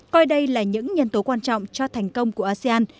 coi đây là những nhân tố quan trọng cho thành công của asean